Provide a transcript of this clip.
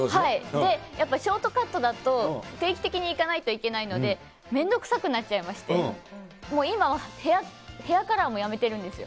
で、やっぱショートカットだと、定期的に行かないといけないので、面倒くさくなっちゃいまして、もう今はヘアカラーもやめてるんですよ。